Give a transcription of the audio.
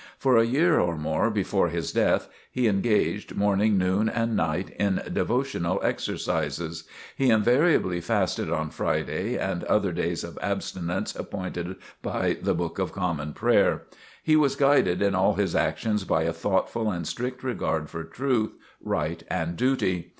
For a year or more before his death he engaged, morning, noon and night in devotional exercises. He invariably fasted on Friday and other days of abstinence appointed by the Book of Common Prayer. He was guided in all his actions by a thoughtful and strict regard for truth, right and duty.